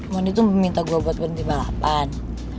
mondi tuh minta gue buat berhenti balapan